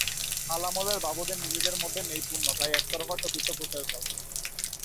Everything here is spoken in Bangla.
হাল-আমলের বাবুদের নিজেদের মধ্যে নেই পুণ্য, তাই একতরফা সতীত্ব প্রচার করেন।